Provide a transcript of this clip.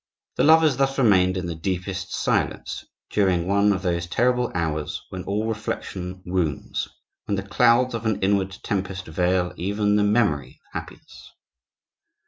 The lovers thus remained, in the deepest silence, during one of those terrible hours when all reflection wounds, when the clouds of an inward tempest veil even the memory of happiness.